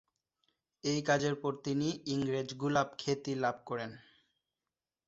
এই কাজের পর তিনি "ইংরেজ গোলাপ" খ্যাতি লাভ করেন।